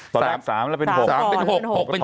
ตอนแรก๓แล้วเป็น๖๖เป็น๓